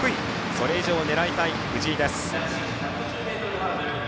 それ以上を狙いたい藤井です。